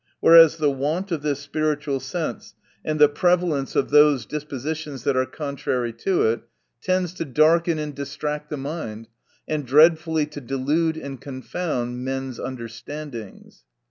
Whereas, the want of this spiritual sense, and the prevalence of those dispositions that are contrary to it, tend to darken and distract the mind, and dreadfully to delude and confound men's understandings.